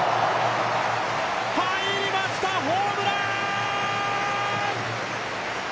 入りました、ホームラン！！